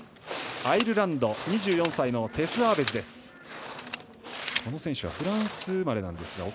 アイルランド、２４歳のテス・アーベズです。